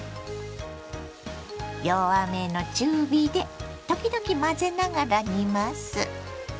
弱めの中火で時々混ぜながら煮ます。